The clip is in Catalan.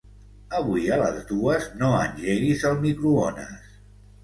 Avui a les dues no engeguis el microones.